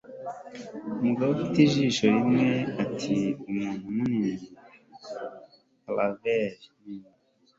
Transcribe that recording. umugabo ufite ijisho rimwe ati 'umuntu munini, palaver nini